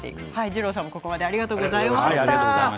二郎さんもありがとうございました。